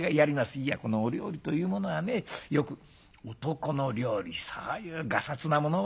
いやこのお料理というものはねよく男の料理そういうがさつなものはお料理とは言いませんよ。